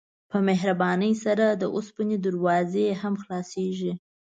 په مهربانۍ سره د اوسپنې دروازې هم خلاصیږي.